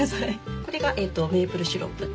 これがメープルシロップ。